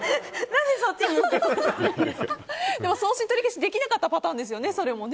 何でそっちに送信取り消しできなかったパターンですよね。